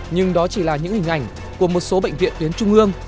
nhưng đó chỉ là những hình ảnh của một số bệnh viện tuyến trung ương